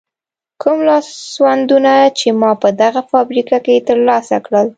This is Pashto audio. کوم لاسوندونه چې ما په دغه فابریکه کې تر لاسه کړل.